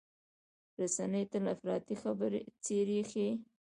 رسنۍ تل افراطي څېرې ښيي.